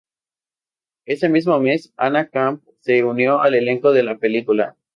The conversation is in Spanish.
Ese mismo mes, Anna Camp se unió al elenco de la película.